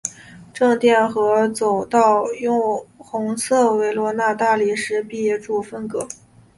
正殿和走道用红色维罗纳大理石壁柱分隔。